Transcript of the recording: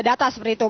data seperti itu